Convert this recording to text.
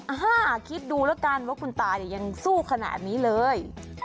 ฮ่าคิดดูแล้วกันว่าคุณตาเนี่ยยังสู้ขนาดนี้เลย